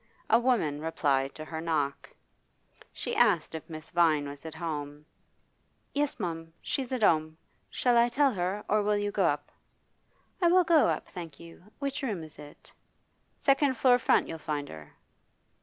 A woman replied to her knock. She asked if Miss Vine was at home. 'Yes, mum; she's at 'ome. Shall I tell her, or will you go up?' 'I will go up, thank you. Which room is it?' 'Second floor front you'll find her.